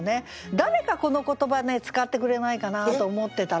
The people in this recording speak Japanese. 誰かこの言葉ね使ってくれないかなと思ってたら。